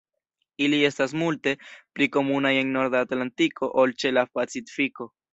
Ili estas multe pli komunaj en norda Atlantiko ol ĉe la Pacifiko.